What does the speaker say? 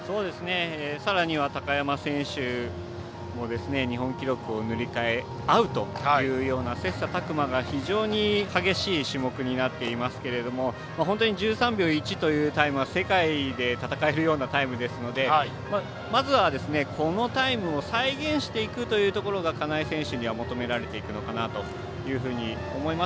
さらに、高山選手も日本記録を塗り替えあう切さたく磨が非常に目立つ種目になっていますけど本当に１３秒１というタイムは世界で戦えるようなタイムですのでまずは、このタイムを再現していくというところが金井選手には求められていくと思います。